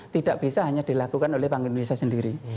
tidak bisa hanya dilakukan oleh bank indonesia sendiri